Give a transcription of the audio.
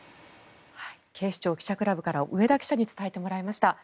警視庁記者クラブから上田記者に伝えてもらいました。